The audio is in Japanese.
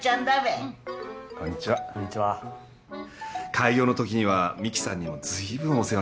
開業のときにはミキさんにもずいぶんお世話になって。